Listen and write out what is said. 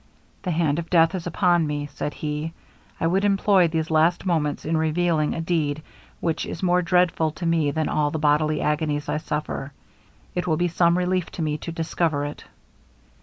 'The hand of death is now upon me,' said he; 'I would employ these last moments in revealing a deed, which is more dreadful to me than all the bodily agonies I suffer. It will be some relief to me to discover it.'